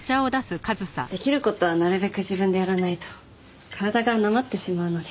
できる事はなるべく自分でやらないと体がなまってしまうので。